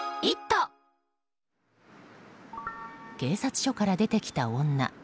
警察署から出てきた女。